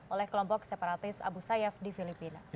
oleh kelompok separatis abu sayyaf di filipina